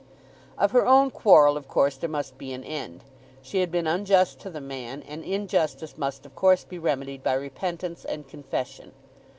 Of her own quarrel of course there must be an end. She had been unjust to the man, and injustice must of course be remedied by repentance and confession.